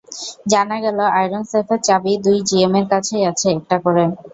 জানা গেল, আয়রন সেফের চাবি দুই জিএমের কাছেই আছে, একটা করে।